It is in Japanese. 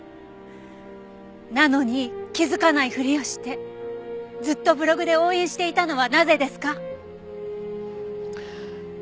なのに気づかないふりをしてずっとブログで応援していたのはなぜですか？